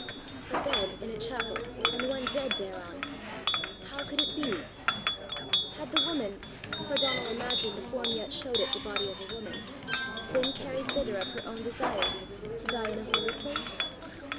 A bed in a chapel, and one dead thereon! how could it be? Had the woman for Donal imagined the form yet showed it the body of a woman been carried thither of her own desire, to die in a holy place?